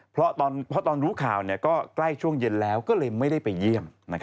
เพราะตอนรู้ข่าวก็ใกล้ช่วงเย็นแล้วก็เลยไม่ได้ไปเยี่ยม